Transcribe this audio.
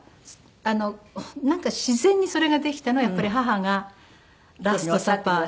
なんか自然にそれができたのはやっぱり母がラストサパー